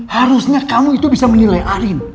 harusnya kamu itu bisa menilai arin